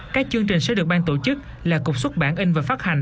các chương trình sẽ được ban tổ chức là cục xuất bản in và phát hành